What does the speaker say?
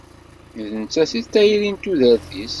D nettat i d tayri n tudert-is.